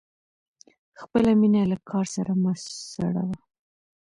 خپله مینه له کار سره مه سړوه.